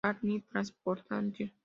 Army Transportation.